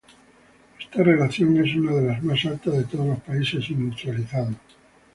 Esta relación es una de las más altas de todos los países industrializados.